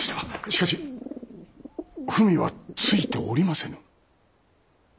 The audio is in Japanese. しかし文はついておりませぬ。